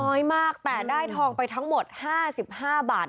น้อยมากแต่ได้ทองไปทั้งหมด๕๕บาท